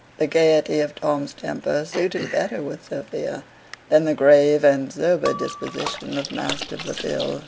The gaiety of Tom's temper suited better with Sophia, than the grave and sober disposition of Master Blifil.